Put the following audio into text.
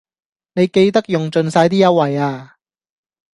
你記得用盡晒啲優惠呀